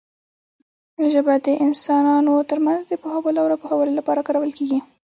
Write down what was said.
ژبه د انسانانو ترمنځ د پوهولو او راپوهولو لپاره کارول کېږي.